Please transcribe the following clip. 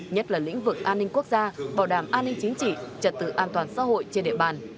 nhất là lĩnh vực an ninh quốc gia bảo đảm an ninh chính trị trật tự an toàn xã hội trên địa bàn